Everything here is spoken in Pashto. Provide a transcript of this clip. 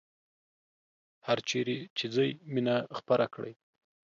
هرچیرې چې ځئ مینه خپره کړئ